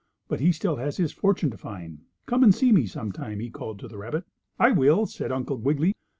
But he still has his fortune to find. Come and see me some time," he called to the rabbit. "I will," said Uncle Wiggily.